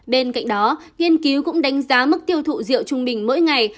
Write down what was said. bên cạnh đó nghiên cứu cũng đánh giá mức tiêu thụ rượu trung bình mỗi ngày